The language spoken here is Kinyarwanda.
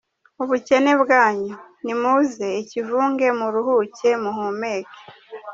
Ubukene bwanyu, nimuze ikivunge muruhuke muhumeke.